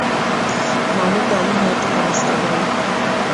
Manickam, head constable.